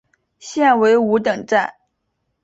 现为五等站。